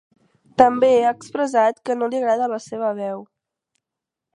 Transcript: També ha expressat que no li agrada la seva veu.